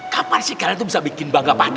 kapan sih kalian tuh bisa bikin bangga pak d